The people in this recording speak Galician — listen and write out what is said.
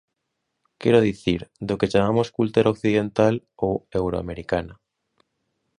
Quero dicir, do que chamamos cultura occidental ou euroamericana.